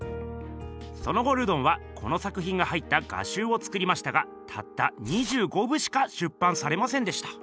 その後ルドンはこの作ひんが入った画集を作りましたがたった２５部しか出版されませんでした。